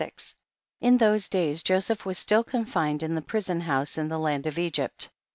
In those days Joseph was stilF confined in the prison house in the land of Egypt.